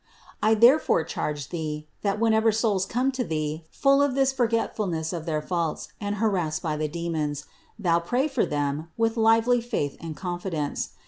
I therefore charge thee that whenever souls come to thee full of this forget fulness of their faults, and harassed by the demons, thou pray for them with lively faith and confidence.